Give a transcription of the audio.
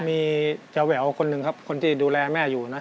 มีเจ้าแหววคนหนึ่งครับคนที่ดูแลแม่อยู่นะ